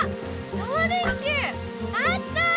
タマ電Ｑあった！